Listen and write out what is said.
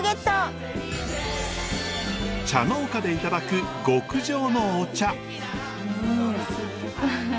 茶農家でいただく極上のお茶。